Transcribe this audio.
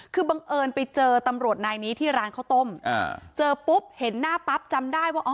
คือบังเอิญไปเจอตำรวจนายนี้ที่ร้านข้าวต้มเจอปุ๊บเห็นหน้าปั๊บจำได้ว่า